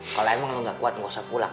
kalau emang lo nggak kuat nggak usah pulak